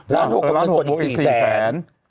ล้าน๖ก็เป็นส่วน๔แสน